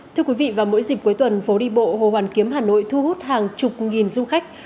thưa quý vị vào mỗi dịp cuối tuần phố đi bộ hồ hoàn kiếm hà nội thu hút hàng chục nghìn du khách